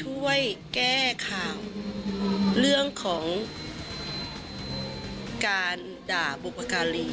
ช่วยแก้ข่าวเรื่องของการด่าบุพการี